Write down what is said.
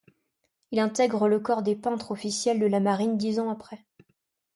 Il intègre le corps des Peintres officiels de la Marine dix ans après.